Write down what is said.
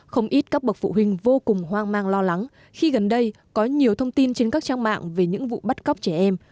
không ít các bậc phụ huynh vô cùng hoang mang lo lắng khi gần đây có nhiều thông tin trên các trang mạng về những vụ bắt cóc trẻ em